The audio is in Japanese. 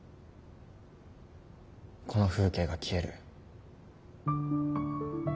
この風景が消える。